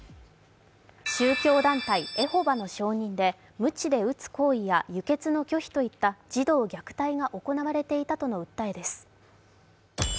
宗教団体エホバの証人でむちで打つ行為や輸血の拒否といった児童虐待が行われていたとの訴えです。